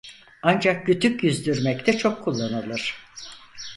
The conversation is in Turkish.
Ancak kütük yüzdürmekte çok kullanılır.